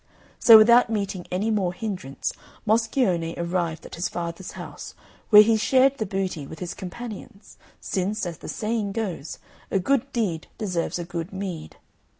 So without meeting any more hindrance, Moscione arrived at his father's house, where he shared the booty with his companions, since, as the saying goes, a good deed deserves a good meed.